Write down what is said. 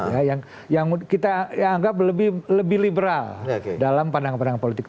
ya yang kita anggap lebih liberal dalam pandangan pandangan politik